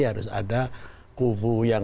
harus ada kubu yang